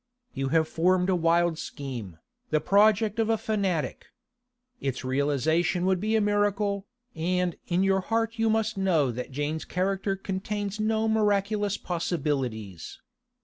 'You have formed a wild scheme, the project of a fanatic. Its realisation would be a miracle, and in your heart you must know that Jane's character contains no miraculous possibilities.